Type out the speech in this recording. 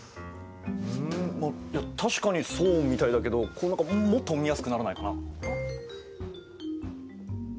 確かにそうみたいだけどもっと見やすくならないかな？